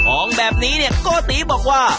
อองค์แบบนี้โกฏีบอกว่า